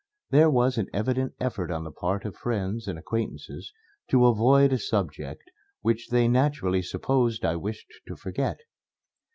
There was an evident effort on the part of friends and acquaintances to avoid a subject which they naturally supposed I wished to forget.